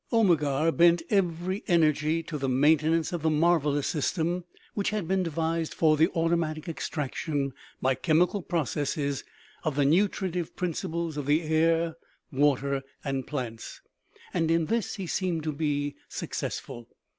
Omegar bent every energy to the main tenance of the marvellous system which had been devised for the automatic extraction by chemical processes of the nutritive principles of the air, water and plants, and in this he seemed to be successful.